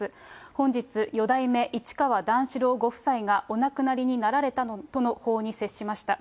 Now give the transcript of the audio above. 本日、四代目市川段四郎ご夫妻がお亡くなりになられたとの報に接しました。